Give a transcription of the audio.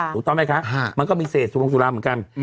ถูกต้องไหมคะมันก็มีเศษสุพงสุราเหมือนกัน